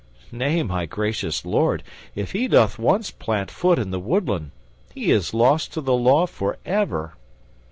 Nay, my gracious lord, if he doth once plant foot in the woodland, he is lost to the law forever."